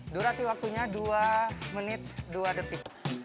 durasi waktunya dua menit dua detik